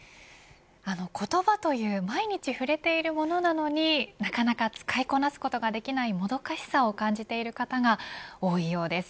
言葉という毎日触れているものなのになかなか使いこなすことができないもどかしさを感じている方が多いようです。